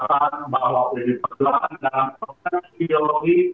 terpaksa bahwa pemerintah perjalanan dalam konteks ideologi